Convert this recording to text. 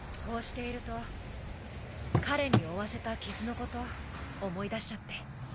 こうしていると彼に負わせた傷のこと思い出しちゃって。